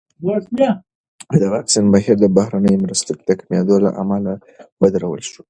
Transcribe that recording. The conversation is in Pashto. د واکسین بهیر د بهرنیو مرستو کمېدو له امله ودرول شو.